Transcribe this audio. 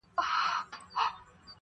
څخه وروسته زه دې نتيجې ته ورسېدم